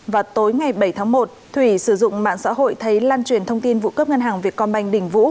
và tối ngày bảy tháng một thủy sử dụng mạng xã hội thấy lan truyền thông tin vụ cướp ngân hàng việt công banh đình vũ